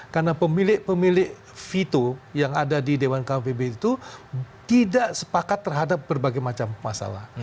karena pemilik pemilik vito yang ada di dewan kawan pbb itu tidak sepakat terhadap berbagai macam masalah